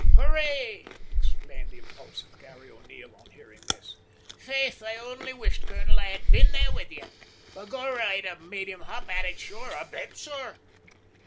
"Hooray!" exclaimed the impulsive Garry O'Neil on hearing this. "Faith, I ounly wish, colonel, I had been there with ye. Begorrah, I'd have made 'em hop at it, sure, I bet, sor!